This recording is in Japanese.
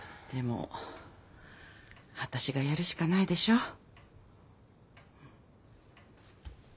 でも私がやるしかないでしょ？